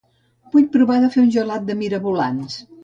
Vull provar de fer un gelat de mirabolans